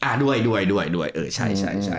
อ่ะด้วยเออใช่